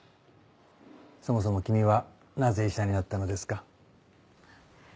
そもそも君はなぜ医者になったのですか？